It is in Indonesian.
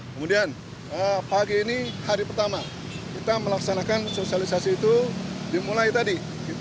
kemudian pagi ini hari pertama kita melaksanakan sosialisasi itu dimulai tadi